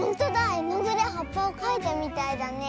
えのぐではっぱをかいたみたいだね。